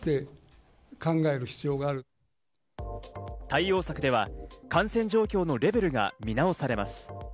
対応策では感染状況のレベルが見直されます。